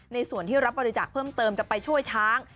ในส่วนที่รับบริจาคเพิ่มเติมจะไปช่วยช้าง